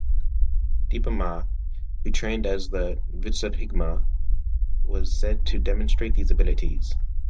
Dipa Ma, who trained via the "Visuddhimagga", was said to demonstrate these abilities.